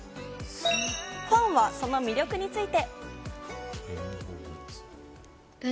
ファンはその魅力について。